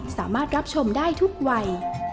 สามารถรับชมได้ทุกวัย